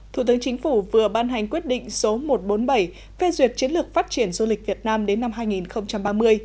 thủ tướng chính phủ vừa ban hành quyết định số một trăm bốn mươi bảy phê duyệt chiến lược phát triển du lịch việt nam đến năm hai nghìn ba mươi